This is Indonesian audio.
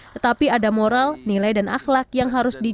tetapi ada moral nilai dan akhlak yang harus dijaga